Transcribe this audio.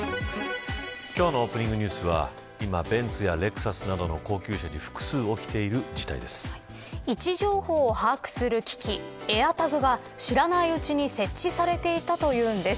今日のオープニングニュースは今ベンツやレクサスなどの高級車に位置情報を把握する機器エアタグが知らないうちに設置されていたというんです。